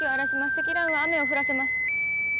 積乱雲は雨を降らせます。